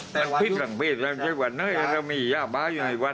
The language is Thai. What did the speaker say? มันพิษหลังเพศแล้วใช้กว่านั้นถ้ามีหญ้าบ้าอยู่ในวัด